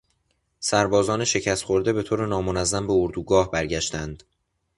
سربازان شکست خورده به طور نامنظم به اردوگاه برگشتند.